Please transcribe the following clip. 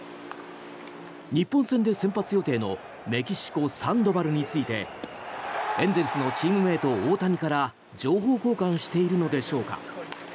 日本戦で先発予定のメキシコ、サンドバルについてエンゼルスのチームメート大谷から情報交換しているのでしょうか。